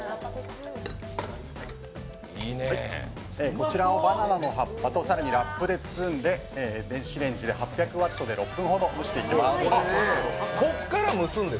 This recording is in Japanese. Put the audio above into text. こちらをバナナの葉っぱと更にラップで包んで、電子レンジ８００ワットで６分ほど蒸していきます。